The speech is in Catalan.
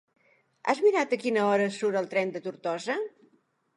Has mirat a quina hora surt el tren de Tortosa?